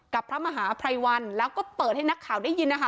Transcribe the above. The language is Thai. พระมหาภัยวันแล้วก็เปิดให้นักข่าวได้ยินนะคะ